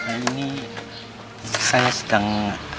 ini saya sedang